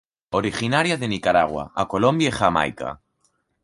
Originaria de Nicaragua a Colombia y Jamaica.